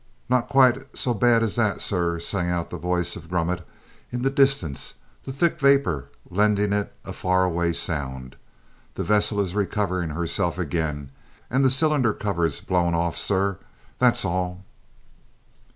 "Not quite so bad as that, sir," sang out the voice of Grummet in the distance, the thick vapour lending it a far away sound. "The vessel is recovering herself again, and the cylinder cover's blown off, sir that's all!"